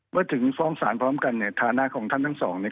เมื่อถึงฟ้องศาลพร้อมกันเนี่ยฐานะของท่านทั้งสองเนี่ย